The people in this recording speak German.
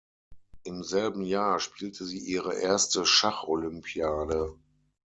Im selben Jahr spielte sie ihre erste Schacholympiade.